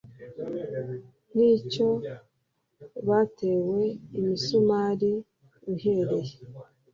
nk icyo batewe imisumari uhereye